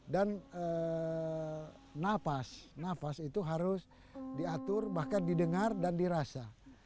dan nafas nafas itu harus diatur bahkan didengar dan dirasa